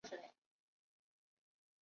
第二季两年后发生的故事。